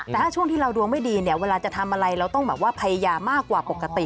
แต่ถ้าช่วงที่เราดวงไม่ดีเวลาจะทำอะไรเราต้องพัยยามากกว่าปกติ